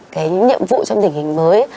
cái nhiệm vụ trong tình hình mới